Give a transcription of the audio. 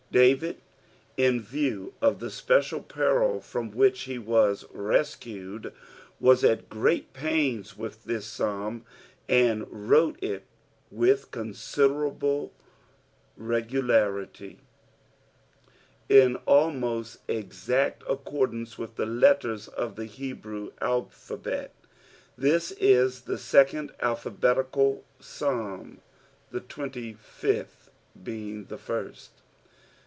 David in vine cf Ihe special peril from ahich he was rescued, tins at great pains anth thi» Psalm, and arole it allh considenMe regularUy, in almost exact accordance with the letters qf the HArew nijiiabA. This is the second afpAoMica/ Fstdm, Hit ttBeniy'fiJJh being Uie first.